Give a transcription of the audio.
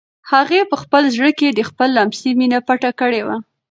هغې په خپل زړه کې د خپل لمسي مینه پټه کړې وه.